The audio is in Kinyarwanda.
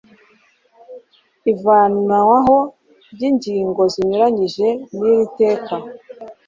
ivanwaho ry'ingingo zinyuranyije n'iri teka